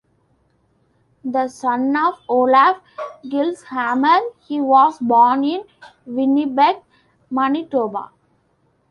The son of Olaf Gilleshammer, he was born in Winnipeg, Manitoba.